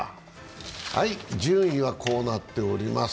順位はこうなっております。